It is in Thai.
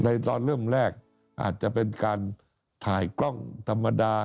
ตอนเริ่มแรกอาจจะเป็นการถ่ายกล้องธรรมดา